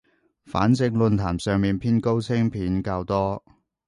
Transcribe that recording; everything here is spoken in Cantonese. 反正論壇上面偏高清片較多